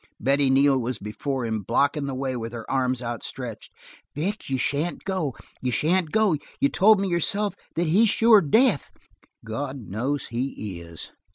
Betty Neal was before him, blocking the way with her arms outstretched. "Vic, you shan't go. You shan't go. You've told me yourself that he's sure death." "God knows he is."